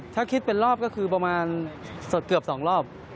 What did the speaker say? ถ้าคิดเป็นรอบก็คือประมาณสดเกือบ๒รอบ